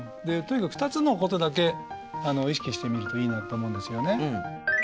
でとにかく２つのことだけ意識してみるといいなと思うんですよね。